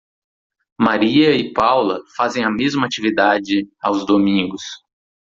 Maria e Paula fazem a mesma atividade aos domingos.